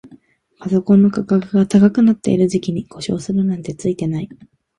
パソコンの価格が高くなってる時期に故障するなんてツイてない